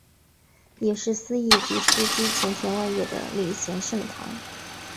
也是司铎级枢机前田万叶的领衔圣堂。